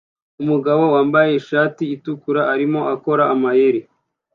Umugabo wambaye ishati itukura arimo akora amayeri